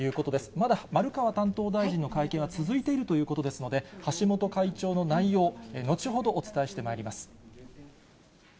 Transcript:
まだ丸川担当大臣の会見は続いているということですので、橋本会長の内容、後ほどお伝えしてまいります。